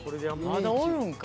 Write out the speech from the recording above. まだおるんか。